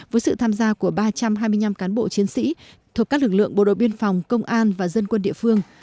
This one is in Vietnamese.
với sự tham gia của ba trăm hai mươi năm cán bộ chiến sĩ thuộc các lực lượng bộ đội biên phòng công an và dân quân địa phương